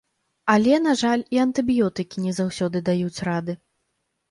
Але, на жаль, і антыбіётыкі не заўсёды даюць рады.